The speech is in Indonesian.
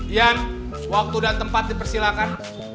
ian waktu dan tempat dipersilakan